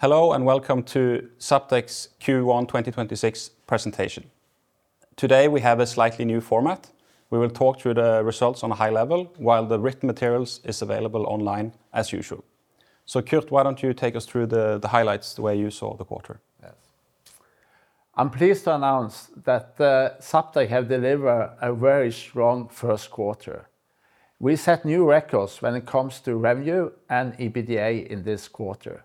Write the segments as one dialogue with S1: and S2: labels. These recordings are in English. S1: Hello, and welcome to Zaptec's Q1 2026 presentation. Today, we have a slightly new format. We will talk through the results on a high level while the written materials is available online as usual. Kurt, why don't you take us through the highlights the way you saw the quarter?
S2: Yes. I'm pleased to announce that Zaptec have delivered a very strong first quarter. We set new records when it comes to revenue and EBITDA in this quarter.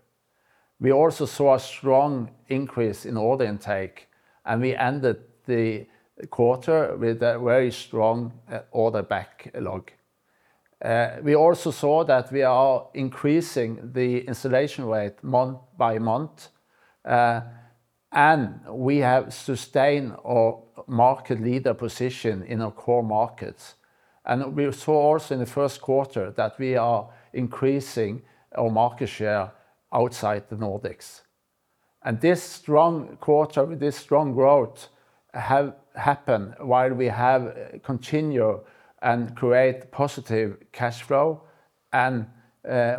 S2: We also saw a strong increase in order intake, and we ended the quarter with a very strong order backlog. We also saw that we are increasing the installation rate month by month, and we have sustained our market leader position in our core markets. We saw also in the first quarter that we are increasing our market share outside the Nordics. This strong quarter, this strong growth have happened while we have continued and create positive cash flow and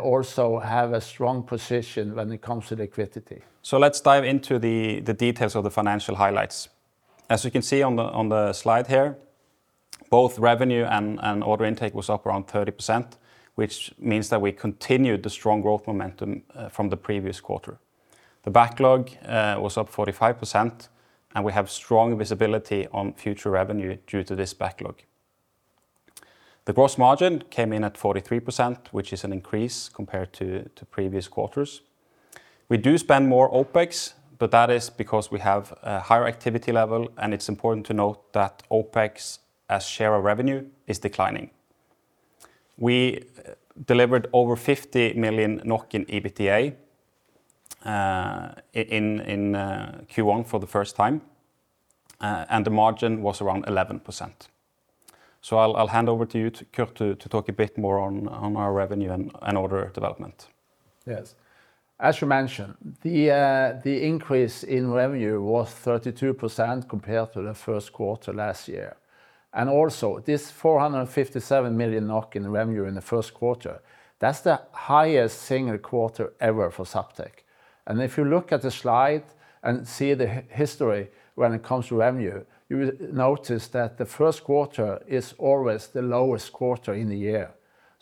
S2: also have a strong position when it comes to liquidity.
S1: Let's dive into the details of the financial highlights. As you can see on the slide here, both revenue and order intake was up around 30%, which means that we continued the strong growth momentum from the previous quarter. The backlog was up 45%, and we have strong visibility on future revenue due to this backlog. The gross margin came in at 43%, which is an increase compared to previous quarters. We do spend more OPEX, but that is because we have a higher activity level, and it's important to note that OPEX as share of revenue is declining. We delivered over 50 million NOK in EBITDA in Q1 for the first time, and the margin was around 11%. I'll hand over to you, Kurt, to talk a bit more on our revenue and order development.
S2: Yes. As you mentioned, the increase in revenue was 32% compared to the first quarter last year. Also, this 457 million NOK in revenue in the first quarter, that's the highest single quarter ever for Zaptec. If you look at the slide and see the history when it comes to revenue, you will notice that the first quarter is always the lowest quarter in the year.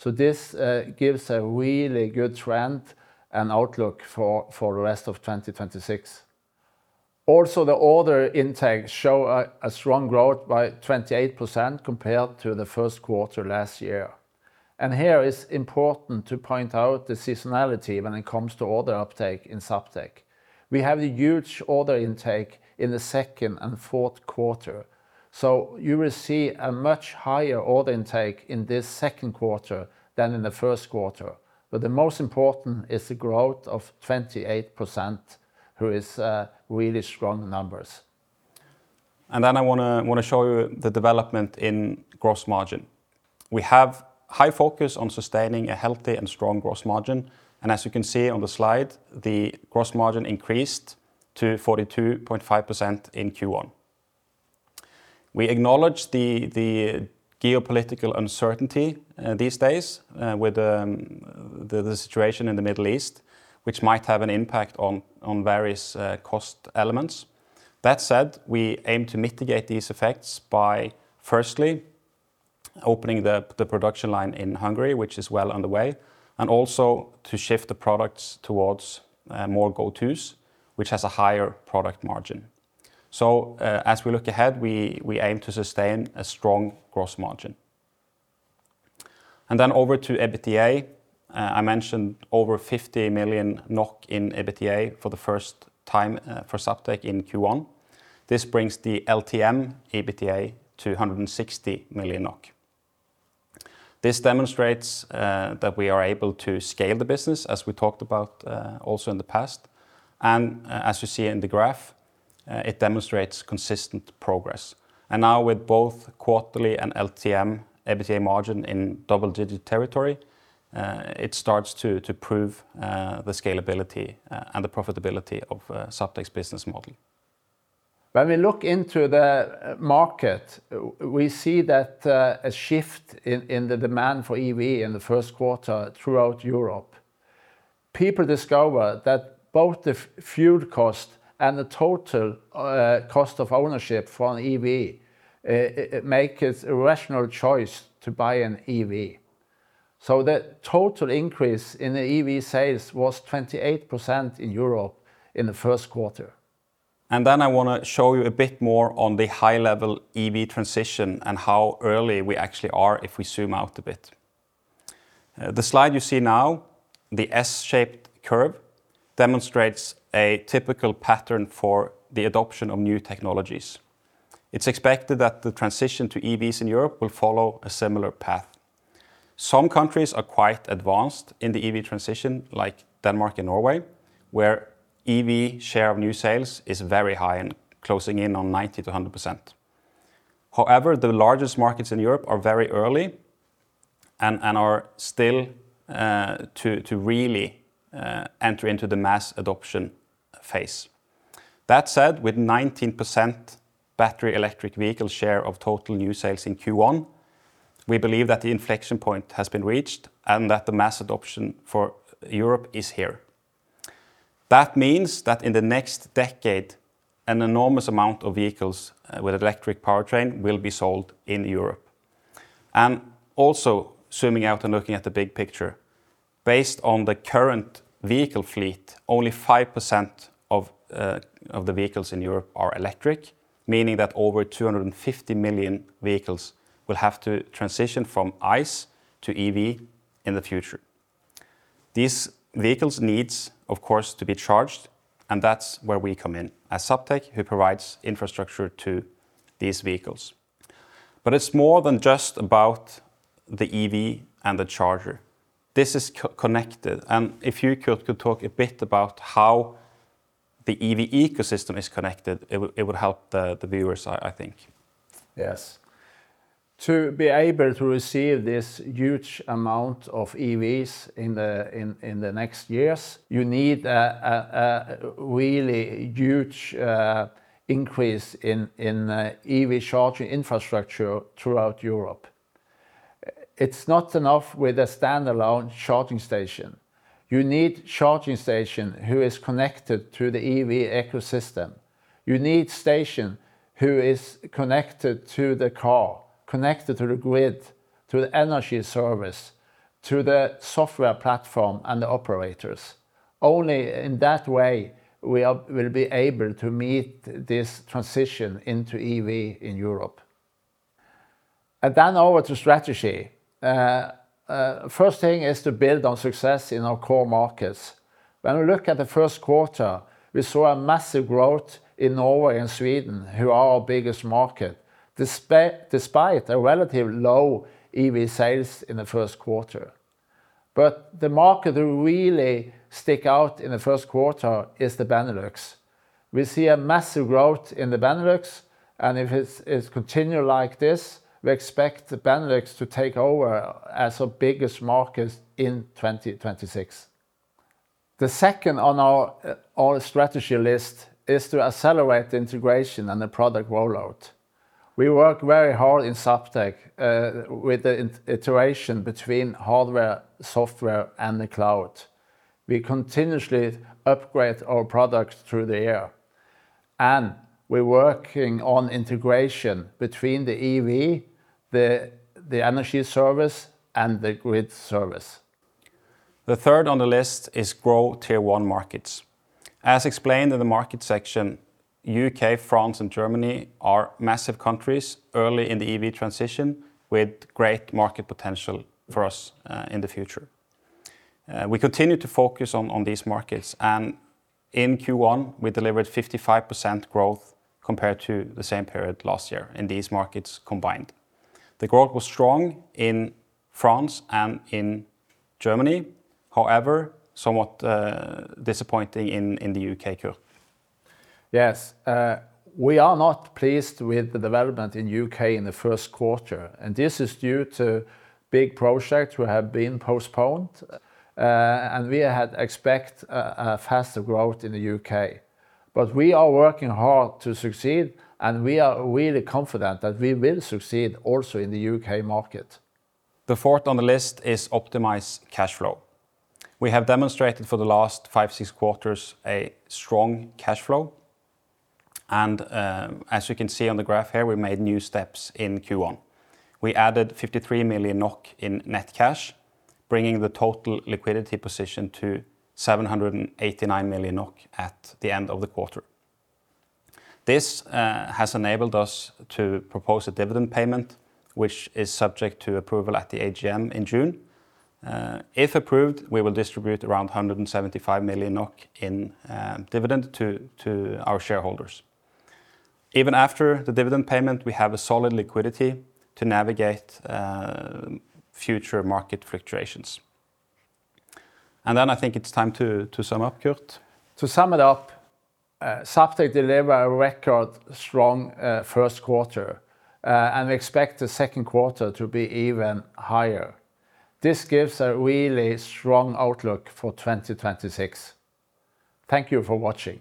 S2: This gives a really good trend and outlook for the rest of 2026. Also, the order intake show a strong growth by 28% compared to the first quarter last year. Here it's important to point out the seasonality when it comes to order uptake in Zaptec. We have a huge order intake in the 2nd and 4th quarter. You will see a much higher order intake in this 2nd quarter than in the 1st quarter. The most important is the growth of 28%, who is really strong numbers.
S1: I wanna show you the development in gross margin. We have high focus on sustaining a healthy and strong gross margin, and as you can see on the slide, the gross margin increased to 42.5% in Q1. We acknowledge the geopolitical uncertainty these days with the situation in the Middle East, which might have an impact on various cost elements. That said, we aim to mitigate these effects by firstly opening the production line in Hungary, which is well underway, and also to shift the products towards more Go-tos, which has a higher product margin. As we look ahead, we aim to sustain a strong gross margin. Over to EBITDA, I mentioned over 50 million NOK in EBITDA for the first time for Zaptec in Q1. This brings the LTM EBITDA to 160 million NOK. This demonstrates that we are able to scale the business as we talked about also in the past. As you see in the graph, it demonstrates consistent progress. Now with both quarterly and LTM EBITDA margin in double-digit territory, it starts to prove the scalability and the profitability of Zaptec's business model.
S2: When we look into the market, we see that a shift in the demand for EV in the first quarter throughout Europe. People discover that both the fuel cost and the total cost of ownership for an EV make it a rational choice to buy an EV. The total increase in the EV sales was 28% in Europe in the first quarter.
S1: Then I want to show you a bit more on the high-level EV transition and how early we actually are if we zoom out a bit. The slide you see now, the S-shaped curve, demonstrates a typical pattern for the adoption of new technologies. It's expected that the transition to EVs in Europe will follow a similar path. Some countries are quite advanced in the EV transition, like Denmark and Norway, where EV share of new sales is very high and closing in on 90%-100%. However, the largest markets in Europe are very early and are still to really enter into the mass adoption phase. That said, with 19% battery electric vehicle share of total new sales in Q1. We believe that the inflection point has been reached and that the mass adoption for Europe is here. That means that in the next decade, an enormous amount of vehicles with electric powertrain will be sold in Europe. Also zooming out and looking at the big picture, based on the current vehicle fleet, only 5% of the vehicles in Europe are electric, meaning that over 250 million vehicles will have to transition from ICE to EV in the future. These vehicles needs, of course, to be charged, that's where we come in, as Zaptec who provides infrastructure to these vehicles. It's more than just about the EV and the charger. This is connected. If you could talk a bit about how the EV ecosystem is connected, it would help the viewers, I think.
S2: Yes. To be able to receive this huge amount of EVs in the next years, you need a really huge increase in EV charging infrastructure throughout Europe. It's not enough with a standalone charging station. You need charging station who is connected to the EV ecosystem. You need station who is connected to the car, connected to the grid, to the energy service, to the software platform, and the operators. Only in that way we will be able to meet this transition into EV in Europe. Over to strategy. First thing is to build on success in our core markets. When we look at the first quarter, we saw a massive growth in Norway and Sweden, who are our biggest market, despite a relative low EV sales in the first quarter. The market who really stick out in the first quarter is the Benelux. We see a massive growth in the Benelux, and if it's continue like this, we expect the Benelux to take over as our biggest market in 2026. The second on our strategy list is to accelerate the integration and the product rollout. We work very hard in Zaptec with the integration between hardware, software, and the cloud. We continuously upgrade our products through the year, we're working on integration between the EV, the energy service, and the grid service.
S1: The third on the list is grow tier one markets. As explained in the markets section, U.K., France, and Germany are massive countries early in the EV transition with great market potential for us in the future. We continue to focus on these markets, and in Q1 we delivered 55% growth compared to the same period last year in these markets combined. The growth was strong in France and in Germany. However, somewhat disappointing in the U.K., Kurt.
S2: Yes, we are not pleased with the development in the U.K. in the first quarter. This is due to big projects who have been postponed. We had expect a faster growth in the U.K. We are working hard to succeed, and we are really confident that we will succeed also in the U.K. market.
S1: The fourth on the list is optimize cash flow. We have demonstrated for the last five, six quarters a strong cash flow and as you can see on the graph here, we made new steps in Q1. We added 53 million NOK in net cash, bringing the total liquidity position to 789 million NOK at the end of the quarter. This has enabled us to propose a dividend payment, which is subject to approval at the AGM in June. If approved, we will distribute around 175 million NOK in dividend to our shareholders. Even after the dividend payment, we have a solid liquidity to navigate future market fluctuations. Then I think it's time to sum up, Kurt.
S2: To sum it up, Zaptec deliver a record strong, first quarter. We expect the second quarter to be even higher. This gives a really strong outlook for 2026. Thank you for watching.